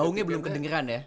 gaungnya belum kedengeran ya